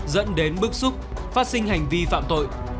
dẫn đến bức xúc phát sinh hành vi phạm tội